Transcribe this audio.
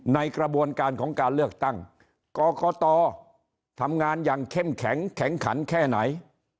ในกระบวนการของการเลือกตั้งกรกตทำงานอย่างเข้มแข็งแข็งขันแค่ไหน